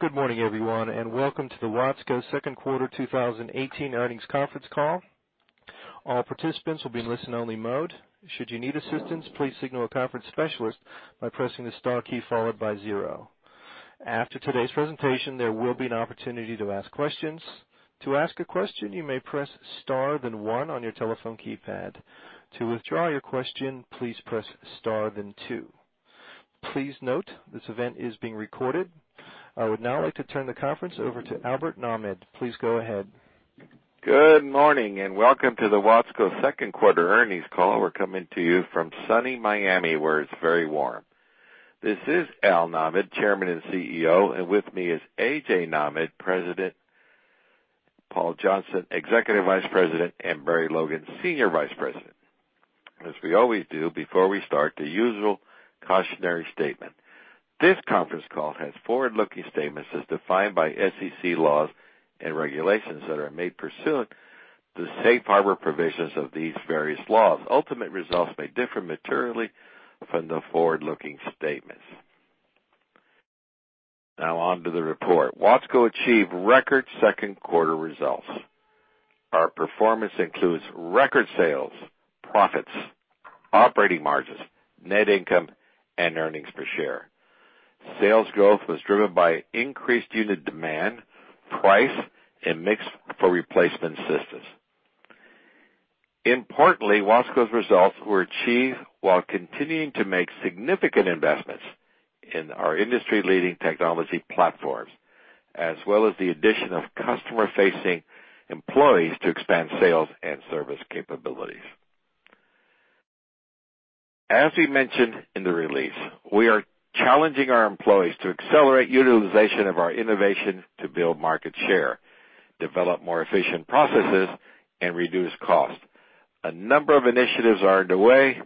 Good morning, everyone, and welcome to the Watsco second quarter 2018 earnings conference call. All participants will be in listen only mode. Should you need assistance please signal a conference specialist by pressing the star key followed by zero. After today's presentation there will be an opportunity to ask questions. To ask a question you may press star then one on your telephone keypad. To withdraw your question please press star then two. Please note this event is being recorded. I would now like to turn the conference over to Albert Nahmad. Please go ahead. Good morning, welcome to the Watsco second quarter earnings call. We're coming to you from sunny Miami, where it's very warm. This is Al Nahmad, Chairman and CEO, and with me is AJ Nahmad, President, Paul Johnston, Executive Vice President, and Barry Logan, Senior Vice President. As we always do before we start, the usual cautionary statement. This conference call has forward-looking statements as defined by SEC laws and regulations that are made pursuant to safe harbor provisions of these various laws. Ultimate results may differ materially from the forward-looking statements. Now on to the report. Watsco achieved record second quarter results. Our performance includes record sales, profits, operating margins, net income, and earnings per share. Sales growth was driven by increased unit demand, price, and mix for replacement systems. Importantly, Watsco's results were achieved while continuing to make significant investments in our industry-leading technology platforms, as well as the addition of customer-facing employees to expand sales and service capabilities. As we mentioned in the release, we are challenging our employees to accelerate utilization of our innovation to build market share, develop more efficient processes, and reduce costs. A number of initiatives are underway,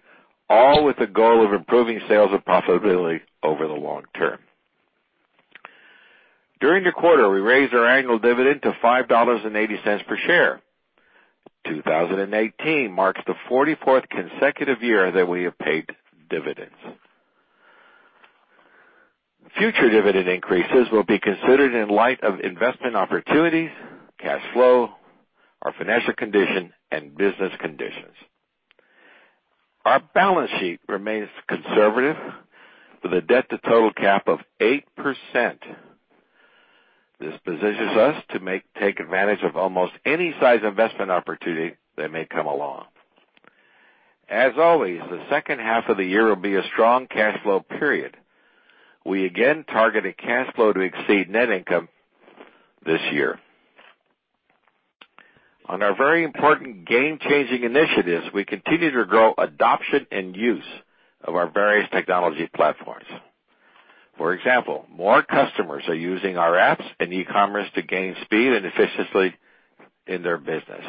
all with the goal of improving sales and profitability over the long term. During the quarter, we raised our annual dividend to $5.80 per share. 2018 marks the 44th consecutive year that we have paid dividends. Future dividend increases will be considered in light of investment opportunities, cash flow, our financial condition, and business conditions. Our balance sheet remains conservative with a debt-to-total cap of 8%. This positions us to take advantage of almost any size investment opportunity that may come along. As always, the second half of the year will be a strong cash flow period. We again targeted cash flow to exceed net income this year. On our very important game-changing initiatives, we continue to grow adoption and use of our various technology platforms. For example, more customers are using our apps and e-commerce to gain speed and efficiency in their business.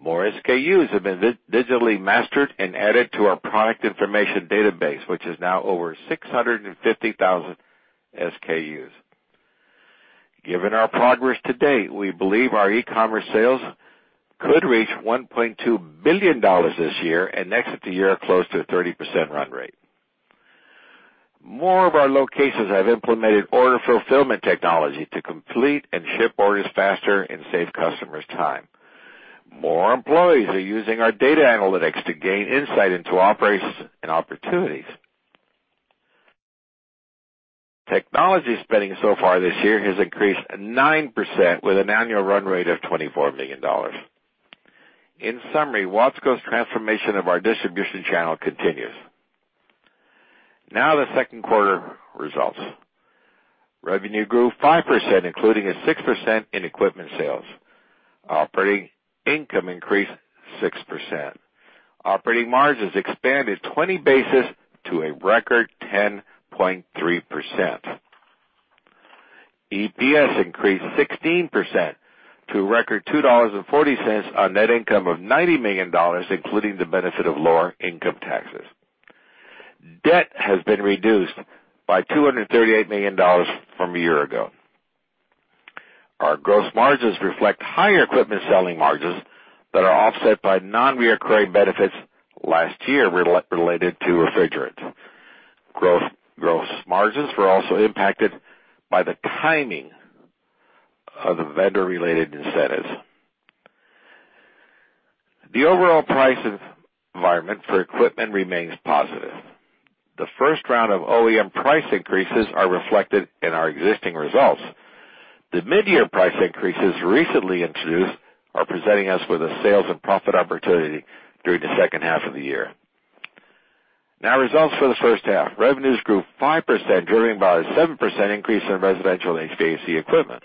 More SKUs have been digitally mastered and added to our product information database, which is now over 650,000 SKUs. Given our progress to date, we believe our e-commerce sales could reach $1.2 billion this year and exit the year close to a 30% run rate. More of our locations have implemented order fulfillment technology to complete and ship orders faster and save customers time. More employees are using our data analytics to gain insight into operations and opportunities. Technology spending so far this year has increased 9% with an annual run rate of $24 million. In summary, Watsco's transformation of our distribution channel continues. Now the second quarter results. Revenue grew 5%, including a 6% in equipment sales. Operating income increased 6%. Operating margins expanded 20 basis to a record 10.3%. EPS increased 16% to a record $2.40 on net income of $90 million, including the benefit of lower income taxes. Debt has been reduced by $238 million from a year ago. Our gross margins reflect higher equipment selling margins that are offset by non-recurring benefits last year related to refrigerants. Gross margins were also impacted by the timing of the vendor-related incentives. The overall price environment for equipment remains positive. The first round of OEM price increases are reflected in our existing results. The mid-year price increases recently introduced are presenting us with a sales and profit opportunity during the second half of the year. Now results for the first half. Revenues grew 5%, driven by a 7% increase in residential HVAC equipment.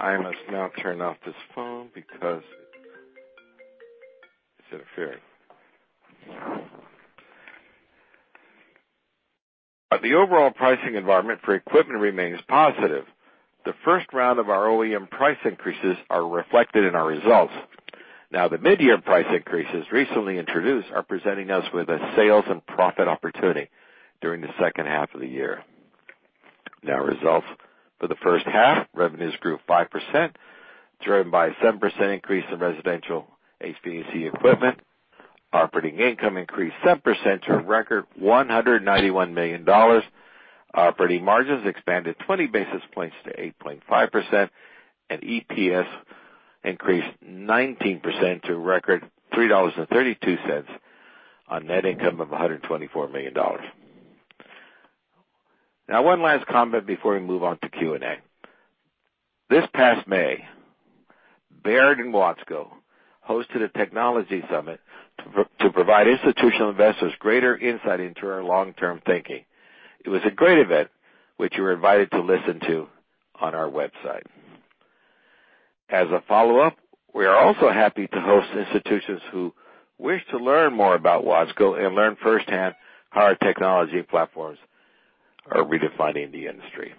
I must now turn off this phone because it's interfering. The overall pricing environment for equipment remains positive. The first round of our OEM price increases are reflected in our results. The mid-year price increases recently introduced are presenting us with a sales and profit opportunity during the second half of the year. Results for the first half. Revenues grew 5%, driven by a 7% increase in residential HVAC equipment. Operating income increased 7% to a record $191 million. Operating margins expanded 20 basis points to 8.5%, and EPS increased 19% to a record $3.32 on net income of $124 million. One last comment before we move on to Q&A. This past May, Baird and Watsco hosted a technology summit to provide institutional investors greater insight into our long-term thinking. It was a great event, which you were invited to listen to on our website. As a follow-up, we are also happy to host institutions who wish to learn more about Watsco and learn firsthand how our technology platforms are redefining the industry.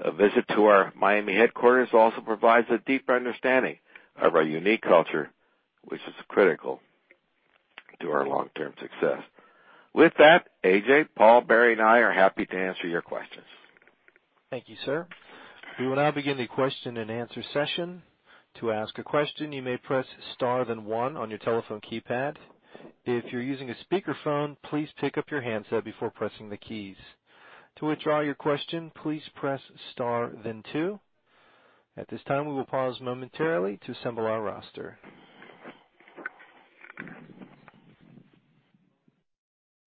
A visit to our Miami headquarters also provides a deeper understanding of our unique culture, which is critical to our long-term success. With that, AJ, Paul, Barry, and I are happy to answer your questions. Thank you, sir. We will now begin the question-and-answer session. To ask a question, you may press star then one on your telephone keypad. If you're using a speakerphone, please pick up your handset before pressing the keys. To withdraw your question, please press star then two. At this time, we will pause momentarily to assemble our roster.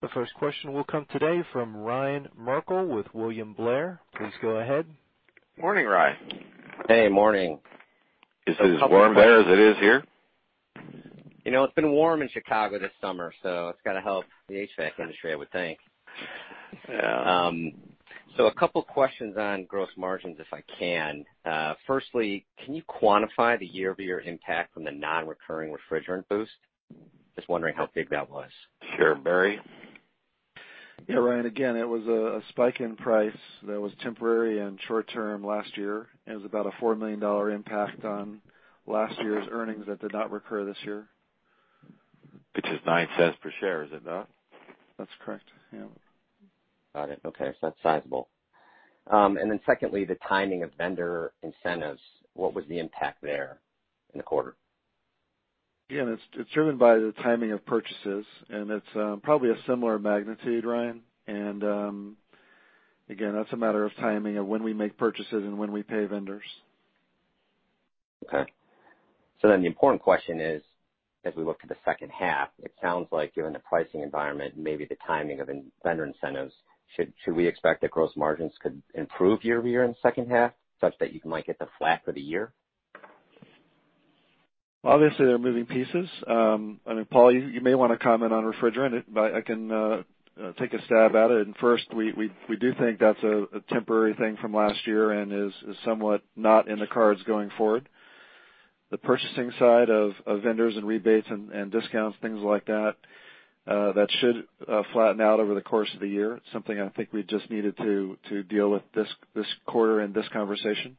The first question will come today from Ryan Merkel with William Blair. Please go ahead. Morning, Ryan. Hey, morning. Is it as warm there as it is here? You know, it's been warm in Chicago this summer, so it's gotta help the HVAC industry, I would think. Yeah. A couple questions on gross margins, if I can. Firstly, can you quantify the year-over-year impact from the non-recurring refrigerant boost? Just wondering how big that was. Sure. Barry? Yeah, Ryan, again, it was a spike in price that was temporary and short term last year. It was about a $4 million impact on last year's earnings that did not recur this year. Which is $0.09 per share, is it not? That's correct, yeah. Got it. Okay. That's sizable. Secondly, the timing of vendor incentives, what was the impact there in the quarter? Again, it's driven by the timing of purchases, and it's probably a similar magnitude, Ryan. Again, that's a matter of timing of when we make purchases and when we pay vendors. Okay. The important question is, as we look to the second half, it sounds like given the pricing environment, maybe the timing of vendor incentives, should we expect that gross margins could improve year-over-year in the second half such that you might get to flat for the year? Obviously, there are moving pieces. I mean, Paul, you may wanna comment on refrigerant, but I can take a stab at it. First, we do think that's a temporary thing from last year and is somewhat not in the cards going forward. The purchasing side of vendors and rebates and discounts, things like that should flatten out over the course of the year. Something I think we just needed to deal with this quarter and this conversation.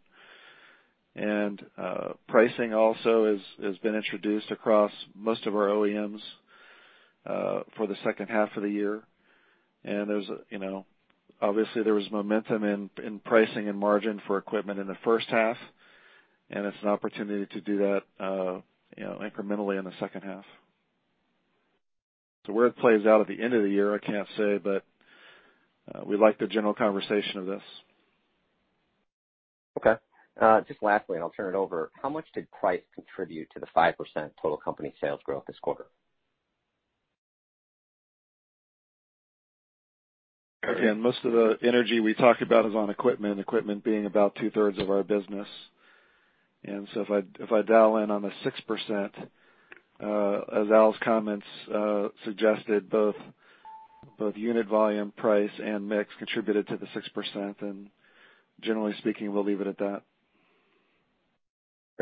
Pricing also has been introduced across most of our OEMs for the second half of the year. There's, you know, obviously there was momentum in pricing and margin for equipment in the 1st half, and it's an opportunity to do that, you know, incrementally in the second half. Where it plays out at the end of the year, I can't say, but, we like the general conversation of this. Okay. just lastly, and I'll turn it over, how much did price contribute to the 5% total company sales growth this quarter? Again, most of the energy we talked about is on equipment being about 2/3 of our business. If I dial in on the 6%, as Al's comments suggested, both unit volume, price, and mix contributed to the 6%. Generally speaking, we'll leave it at that.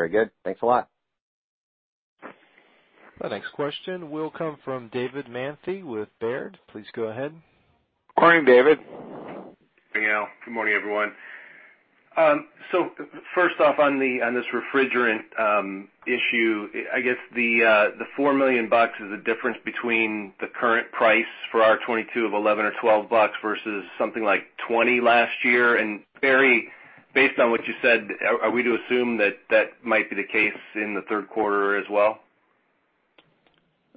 Very good. Thanks a lot. The next question will come from David Manthey with Baird. Please go ahead. Morning, David. Morning, Al. Good morning, everyone. First off on this refrigerant issue, I guess the $4 million is the difference between the current price for R-22 of $11 or $12 versus something like $20 last year. Barry, based on what you said, are we to assume that that might be the case in the third quarter as well?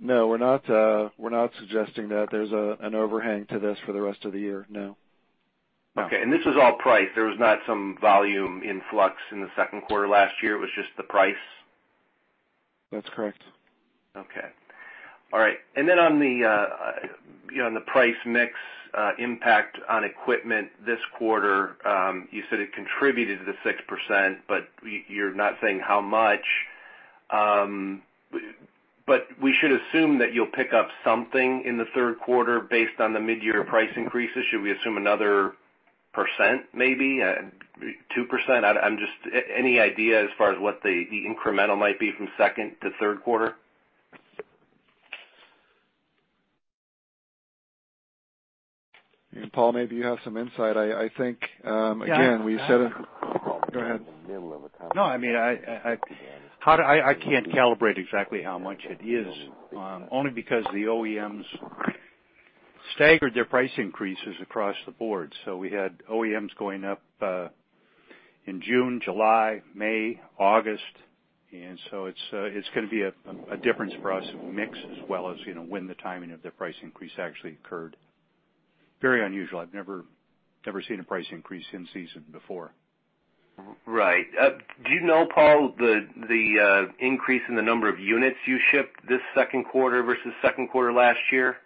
No, we're not suggesting that there's an overhang to this for the rest of the year, no. Okay. This was all price. There was not some volume influx in the second quarter last year. It was just the price? That's correct. Okay. All right. On the, you know, on the price mix impact on equipment this quarter, you said it contributed to the 6%, but you're not saying how much. We should assume that you'll pick up something in the third quarter based on the mid-year price increases. Should we assume another percent, maybe? 2%? Any idea as far as what the incremental might be from second to third quarter? Paul, maybe you have some insight. I think, again. Go ahead. No, I mean, I can't calibrate exactly how much it is, only because the OEMs staggered their price increases across the board. We had OEMs going up in June, July, May, August. It's going to be a difference for us mix as well as, you know, when the timing of the price increase actually occurred. Very unusual. I've never seen a price increase in season before. Right. Do you know, Paul, the increase in the number of units you shipped this second quarter versus second quarter last year?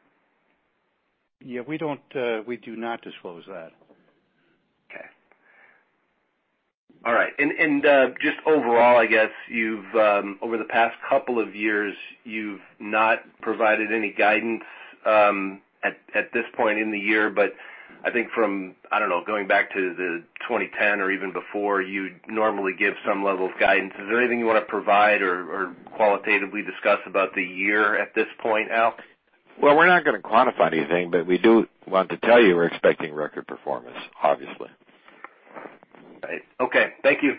Yeah, we don't, we do not disclose that. Okay. All right. Just overall, I guess you've over the past couple of years, you've not provided any guidance at this point in the year, I think from, I don't know, going back to the 2010 or even before, you'd normally give some level of guidance. Is there anything you wanna provide or qualitatively discuss about the year at this point, Al? Well, we're not gonna quantify anything, but we do want to tell you we're expecting record performance, obviously. Right. Okay. Thank you.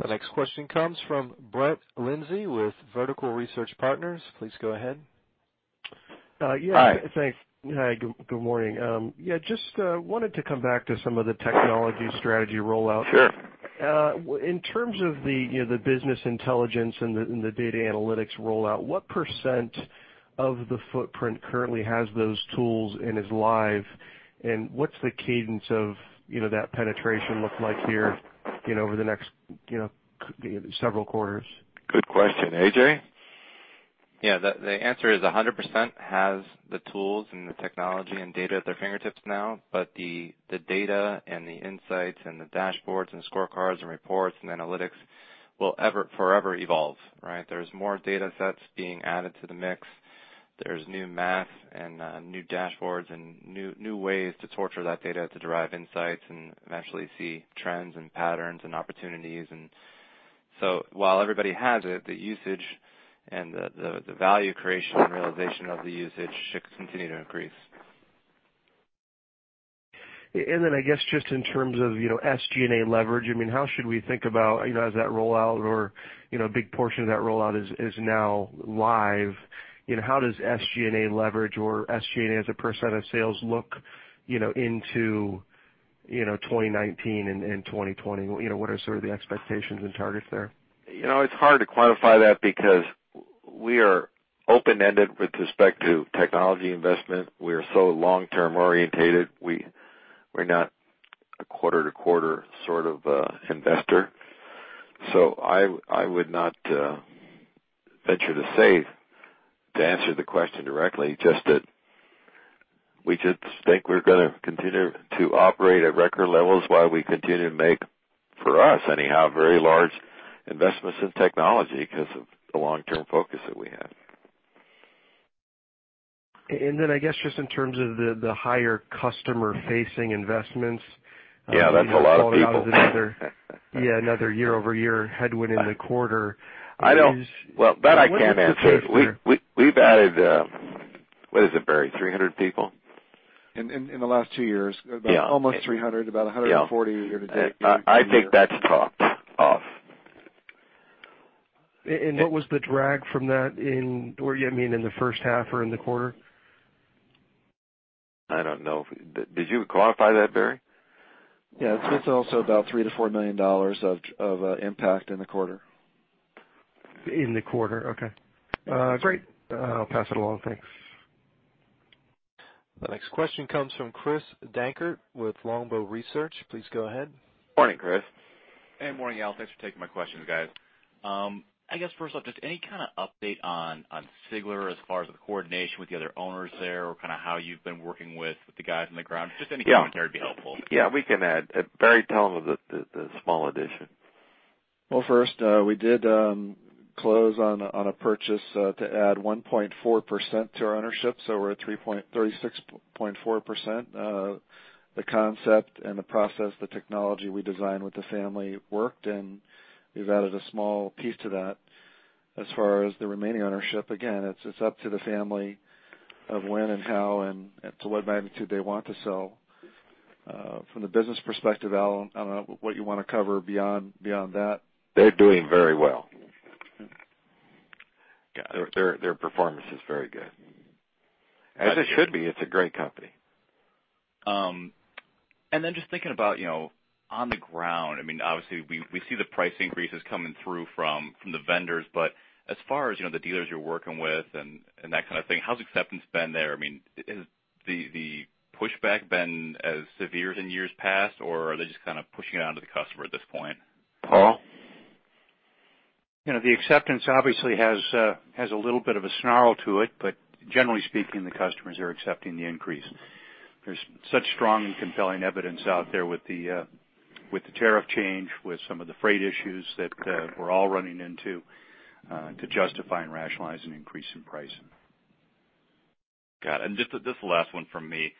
The next question comes from Brett Linzey with Vertical Research Partners. Please go ahead. Yeah. Hi. Thanks. Hi, good morning. Yeah, just wanted to come back to some of the technology strategy rollout. Sure. In terms of the, you know, the business intelligence and the, and the data analytics rollout, what percent of the footprint currently has those tools and is live, and what's the cadence of, you know, that penetration look like here, you know, over the next, you know, several quarters? Good question. AJ? Yeah. The answer is 100% has the tools and the technology and data at their fingertips now, the data and the insights and the dashboards and scorecards and reports and analytics will forever evolve, right? There's more data sets being added to the mix. There's new math and new dashboards and new ways to torture that data to derive insights and eventually see trends and patterns and opportunities. While everybody has it, the usage and the value creation and realization of the usage should continue to increase. Then I guess just in terms of, you know, SG&A leverage, I mean, how should we think about, you know, as that rollout or, you know, a big portion of that rollout is now live, you know, how does SG&A leverage or SG&A as a percent of sales look, you know, into, you know, 2019 and 2020? You know, what are sort of the expectations and targets there? You know, it's hard to quantify that because we are open-ended with respect to technology investment. We are so long-term orientated. We're not a quarter-to-quarter sort of investor. I would not venture to say, to answer the question directly, just that we just think we're gonna continue to operate at record levels while we continue to make, for us anyhow, very large investments in technology 'cause of the long-term focus that we have. I guess just in terms of the higher customer-facing investments. Yeah, that's a lot of people. Yeah, another year-over-year headwind in the quarter. I know. Well, that I can answer. We've added, what is it, Barry? 300 people. In the last two years. Yeah. About almost 300. Yeah. About 140 year-to-date. I think that's topped off. What was the drag from that? You mean in the first half or in the quarter? I don't know. Did you qualify that, Barry? Yeah. It's also about $3 million-$4 million of impact in the quarter. In the quarter. Okay. Great. I'll pass it along. Thanks. The next question comes from Chris Dankert with Longbow Research. Please go ahead. Morning, Chris. Hey, morning, Al. Thanks for taking my questions, guys. I guess first off, just any kind of update on Sigler as far as the coordination with the other owners there or kinda how you've been working with the guys on the ground? Just any commentary would be helpful. Yeah. Yeah, we can add. Barry, tell him the small addition. First, we did close on a purchase to add 1.4% to our ownership, so we're at 36.4%. The concept and the process, the technology we designed with the family worked, and we've added a small piece to that. As far as the remaining ownership, again, it's up to the family of when and how and to what magnitude they want to sell. From the business perspective, Al, I don't know what you wanna cover beyond that. They're doing very well. Yeah. Their performance is very good. As it should be. It's a great company. Then just thinking about, you know, on the ground, I mean, obviously we see the price increases coming through from the vendors, but as far as, you know, the dealers you're working with and that kind of thing, how's acceptance been there? I mean, is the pushback been as severe as in years past, or are they just kind of pushing it onto the customer at this point? Paul? You know, the acceptance obviously has a little bit of a snarl to it, but generally speaking, the customers are accepting the increase. There's such strong and compelling evidence out there with the with the tariff change, with some of the freight issues that we're all running into to justify and rationalize an increase in pricing. Got it. Just the last one from me.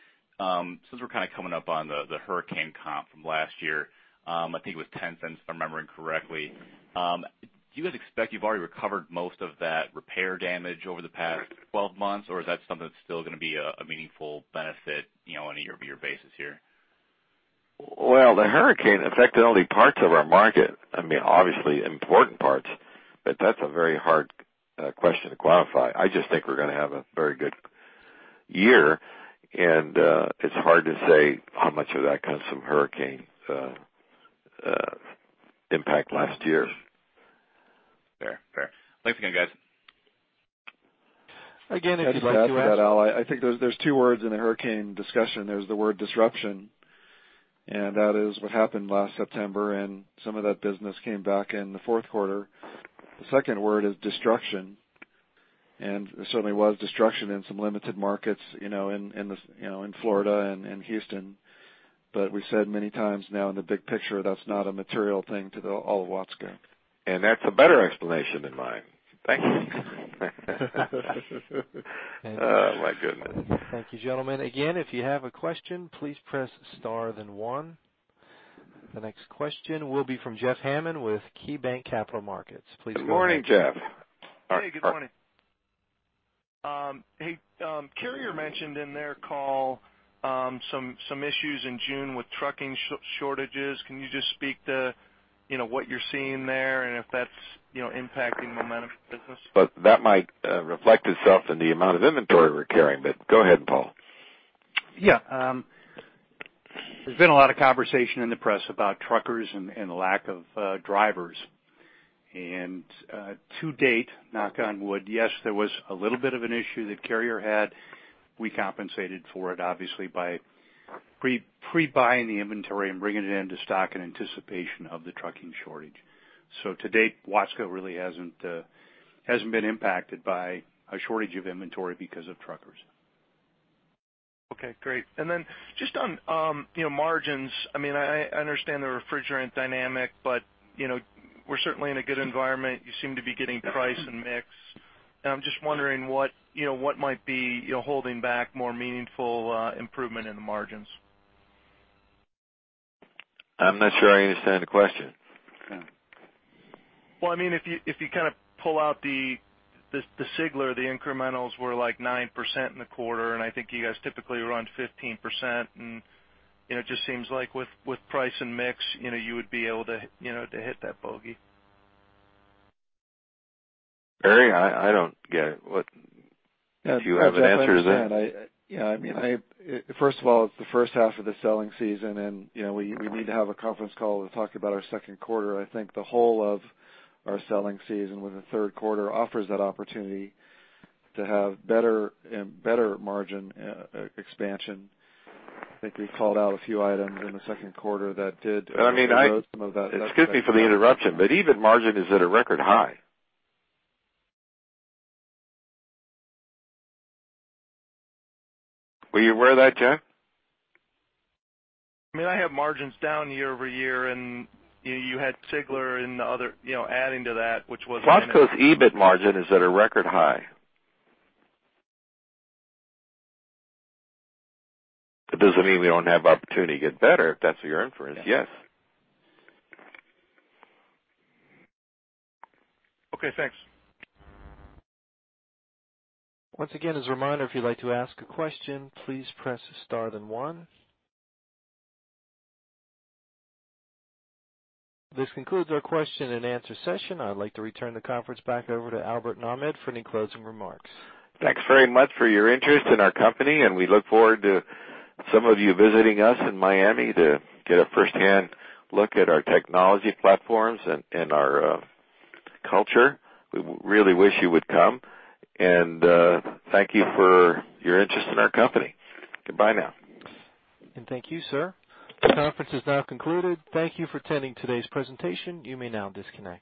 Since we're kind of coming up on the hurricane comp from last year. I think it was $0.10, if I'm remembering correctly. Do you guys expect you've already recovered most of that repair damage over the past 12 months, or is that something that's still going to be a meaningful benefit, you know, on a year-over-year basis here? The hurricane affected only parts of our market. I mean, obviously important parts, but that's a very hard question to qualify. I just think we're gonna have a very good year, and it's hard to say how much of that comes from hurricane impact last year. Fair. Fair. Thanks again, guys. Again, if you'd like to ask- I'd like to add to that, Al. I think there's two words in the hurricane discussion. There's the word disruption, and that is what happened last September, and some of that business came back in the fourth quarter. The second word is destruction, and there certainly was destruction in some limited markets, you know, in Florida and Houston. We said many times now, in the big picture, that's not a material thing to the all of Watsco. That's a better explanation than mine. Thank you. Oh my goodness. Thank you, gentlemen. Again, if you have a question, please press star then one. The next question will be from Jeff Hammond with KeyBanc Capital Markets. Please go ahead. Good morning, Jeff. Hey, good morning. Hey, Carrier mentioned in their call some issues in June with trucking shortages. Can you just speak to, you know, what you're seeing there and if that's, you know, impacting momentum for business? That might reflect itself in the amount of inventory we're carrying. Go ahead, Paul. Yeah. There's been a lot of conversation in the press about truckers and the lack of drivers. To date, knock on wood, yes, there was a little bit of an issue that Carrier had. We compensated for it, obviously, by pre-buying the inventory and bringing it in to stock in anticipation of the trucking shortage. To date, Watsco really hasn't been impacted by a shortage of inventory because of truckers. Okay, great. Just on, you know, margins. I mean, I understand the refrigerant dynamic, but, you know, we're certainly in a good environment. You seem to be getting price and mix. I'm just wondering what, you know, what might be, you know, holding back more meaningful improvement in the margins. I'm not sure I understand the question. Yeah. Well, I mean, if you kind of pull out the Sigler, the incrementals were, like, 9% in the quarter, and I think you guys typically run 15%. You know, it just seems like with price and mix, you know, you would be able to, you know, to hit that bogey. Barry, I don't get it. What do you have an answer then? Yeah. I mean, First of all, it's the first half of the selling season, you know, we need to have a conference call to talk about our second quarter. I think the whole of our selling season, with the third quarter, offers that opportunity to have better and better margin expansion. I think we called out a few items in the second quarter that. I mean. some of that. Excuse me for the interruption, but EBIT margin is at a record high. Were you aware of that, Jeff? I mean, I have margins down year-over-year, you had Sigler and the other, you know, adding to that. Watsco's EBIT margin is at a record high. It doesn't mean we don't have opportunity to get better, if that's your inference. Yes. Okay, thanks. This concludes our question and answer session. I'd like to return the conference back over to Albert Nahmad for any closing remarks. Thanks very much for your interest in our company, and we look forward to some of you visiting us in Miami to get a firsthand look at our technology platforms and our culture. We really wish you would come. Thank you for your interest in our company. Goodbye now. Thank you, sir. This conference is now concluded. Thank you for attending today's presentation. You may now disconnect.